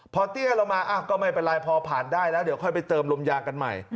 พอเตี้ยลงมาก็ไม่เป็นไรพอผ่านได้แล้วเดี๋ยวค่อยไปเติมลมยากันใหม่